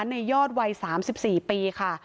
ในยอดวัย๓๔ปีค่ะ